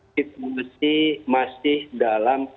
situasi masih dalam